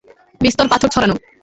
বিস্তর পাথর ছড়ানো।